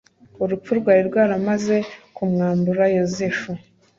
Urupfu rwari rwaramaze kumwambura Yosefu,